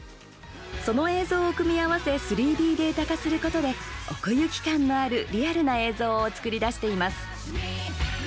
その映像を組み合わせ３Ｄデータ化することで奥行き感のあるリアルな映像を作り出しています。